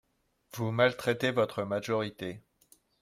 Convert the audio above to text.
Vous maltraitez votre majorité